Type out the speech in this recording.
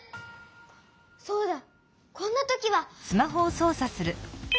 そうだこんなときは！